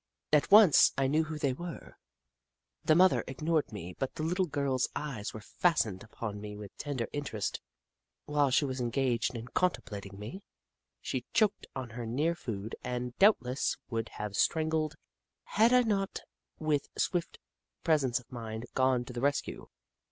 At once, I knew who they were. The mother ignored me, but the little girl's eyes were fastened upon me with tender interest. While she was engaged in contemplating me, she choked on her near food, and doubtless would have strangled had I not with swift pre sence of mind gone to the rescue.